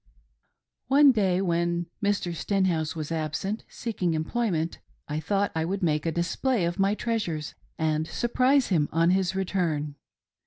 One day when Mr. Stenhouse was absent seeking employ ment, I thought I would make a display of my treasures and surprise him on his return.